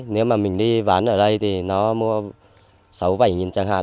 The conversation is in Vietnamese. nếu mà mình đi ván ở đây thì nó mua sáu bảy nghìn chẳng hạn